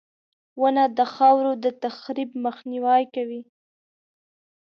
• ونه د خاورو د تخریب مخنیوی کوي.